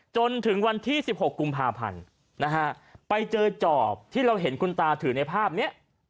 จนถึงวันที่๑๖กุมภาพันธ์นะฮะไปเจอจอบที่เราเห็นคุณตาถือในภาพนี้